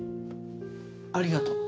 ありがとう。